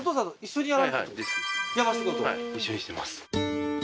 はい一緒にしてます